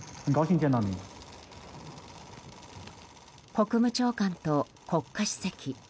国務長官と国家主席。